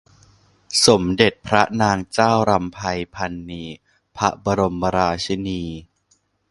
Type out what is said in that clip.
สมเด็จพระนางเจ้ารำไพพรรณีพระบรมราชินี